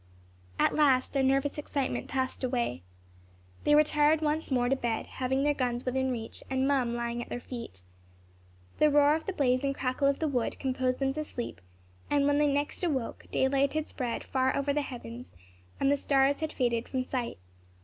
At last their nervous excitement passed away. They retired once more to bed, having their guns within reach, and Mum lying at their feet. The roar of the blaze and crackle of the wood composed them to sleep; and when they next awoke, daylight had spread far over the heavens, and the stars had faded from sight.